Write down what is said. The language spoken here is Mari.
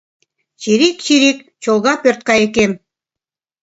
Чирик-чирик чолга пӧрткайыкем.